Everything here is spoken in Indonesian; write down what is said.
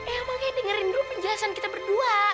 eang memang kayak dengerin dulu penjelasan kita berdua